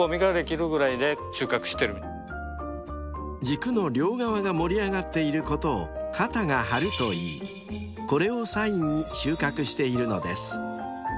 ［軸の両側が盛り上がっていることを「肩が張る」と言いこれをサインに収穫しているのです］